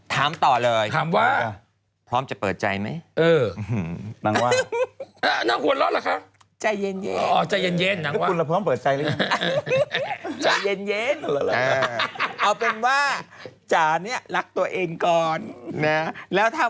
ถามต่อเลยพร้อมจะเปิดใจไหมนางว่า